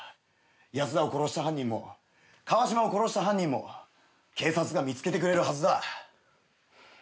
安田を殺した犯人も川島を殺した犯人も警察が見つけてくれるはずだ。